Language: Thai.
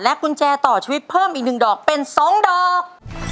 กุญแจต่อชีวิตเพิ่มอีก๑ดอกเป็น๒ดอก